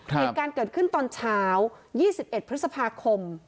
เหตุการณ์เกิดขึ้นตอนเช้า๒๑พฤษภาคม